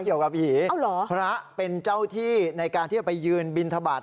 เกี่ยวกับผีพระเป็นเจ้าที่ในการที่จะไปยืนบินทบาท